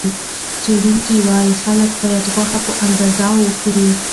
څېړونکي وايي، خلک باید غوښه په اندازه وخوري.